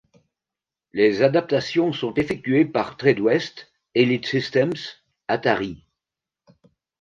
Les adaptations sont effectuées par Tradewest, Elite Systems, Atari.